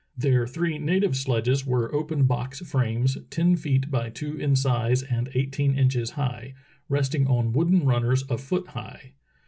Their three native sledges were open box frames, ten feet by two in size and eighteen inches high, resting on wooden runners a foot high.